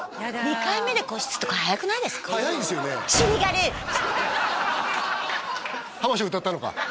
２回目で個室とか早くないですか早いですよね浜省歌ったのか？